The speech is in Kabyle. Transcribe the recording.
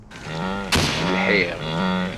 Lḥiɣ.